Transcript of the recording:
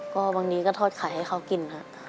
ก็บางทีก็ทอดไข่ให้เขากินครับ